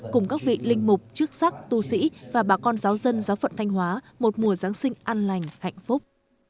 cùng các vị linh mục chức sắc tu sĩ và bà con giáo dân giáo phận thanh hóa một mùa giáng sinh an lành hạnh phúc